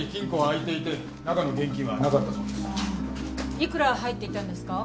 いくら入っていたんですか？